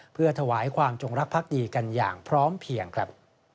เพื่อถวายความจงรักพักดีกันอย่างพร้อมเพียงครับ